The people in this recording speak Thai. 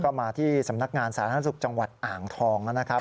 ก็มาที่สำนักงานสาธารณสุขจังหวัดอ่างทองนะครับ